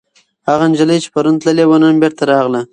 هغه نجلۍ چې پرون تللې وه، نن بېرته راغله.